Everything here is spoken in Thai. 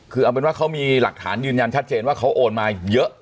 คือเอาเป็นว่าเขามีหลักฐานยืนยันชัดเจนว่าเขาโอนมาเยอะ